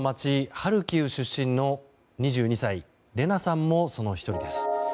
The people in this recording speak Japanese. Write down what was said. ハルキウ出身の２２歳、レナさんもその１人です。